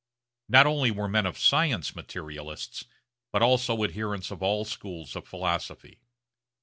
Not only were men of science materialists, but also adherents of all schools of philosophy.